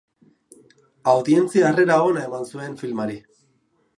Audientzia harrera ona eman zuen filmari.